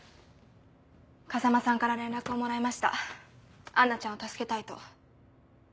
風真さんから連絡をもらいましたアンナちゃんを助けたいと。